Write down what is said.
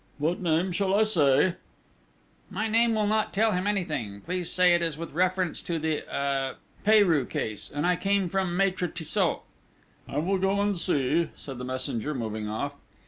"What name shall I say?" "My name will not tell him anything. Please say it is with reference to the er Peyru case and I come from Maître Tissot." "I will go and see," said the messenger, moving off.